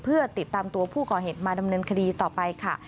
เพื่อติดตามตัวผู้ก่อเหตุมาดำเนินคดีต่อไปค่ะ